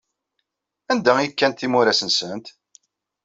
Anda ay kkant imuras-nsent?